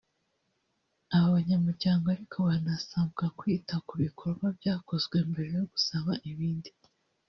Aba banyamuryango ariko banasabwa kwita ku bikorwa byakozwe mbere yo gusaba ibindi